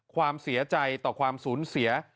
ความเสียใจต่อความสูญเสีย